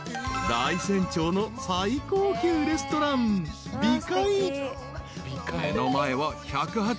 ［大山町の最高級レストランで］